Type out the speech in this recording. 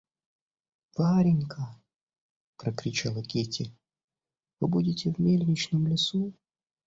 Варенька!— прокричала Кити, — вы будете в мельничном лесу?